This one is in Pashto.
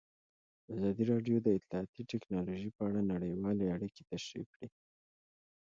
ازادي راډیو د اطلاعاتی تکنالوژي په اړه نړیوالې اړیکې تشریح کړي.